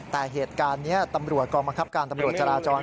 แต่เหตุการณ์นี้ตำรวจกองบังคับการตำรวจจราจร